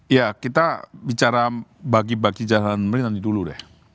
ya kita bicara bagi bagi jatah menteri nanti dulu deh